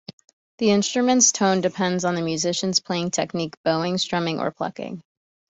The instrument's tone depends on the musician's playing technique: bowing, strumming or plucking.